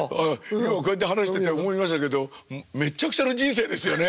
今こうやって話してて思いましたけどめっちゃくちゃな人生ですよね。